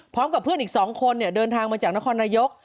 พร้อมกับเพื่อนอีก๒คนเดินทางมาจากนครนายก